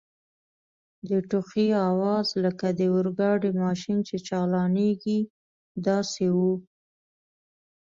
د ټوخي آواز لکه د اورګاډي ماشین چي چالانیږي داسې و.